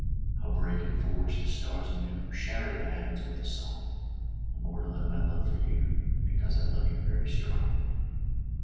I'll break and forge the stars anew, Shatter the heavens with a song; Immortal in my love for you, Because I love you, very strong.